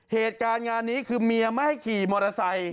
เหตุการณ์งานนี้คือเมียไม่ให้ขี่มอเตอร์ไซค์